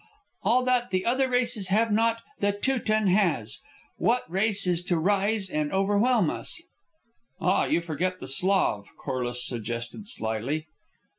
All that the other races have not, the Teuton has. What race is to rise up and overwhelm us?" "Ah, you forget the Slav," Corliss suggested slyly.